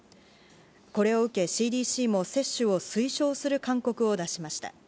これを受け、ＣＤＣも接種を推奨する勧告を出しました。